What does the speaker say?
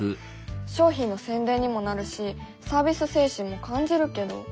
商品の宣伝にもなるしサービス精神も感じるけど。